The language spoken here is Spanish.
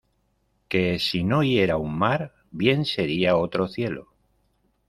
Que si no hiera un mar, bien sería otro cielo.